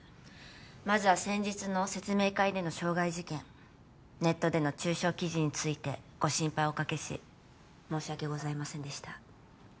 まずは先日の説明会での傷害事件ネットでの中傷記事についてご心配をおかけし申し訳ございませんでした